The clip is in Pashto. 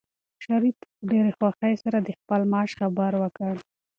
شریف په ډېرې خوښۍ سره د خپل معاش خبر ورکړ.